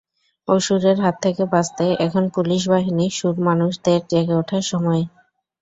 অসুরের হাত থেকে বাঁচতে এখন পুলিশ বাহিনীর সুর-মানুষদের জেগে ওঠার সময়।